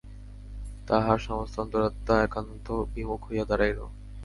তাহার সমস্ত অন্তরাত্মা একান্ত বিমুখ হইয়া দাঁড়াইল।